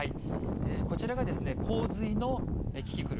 こちらが洪水のキキクル。